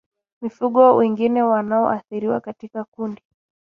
Mifugo wengine wanaoathiriwa katika kundi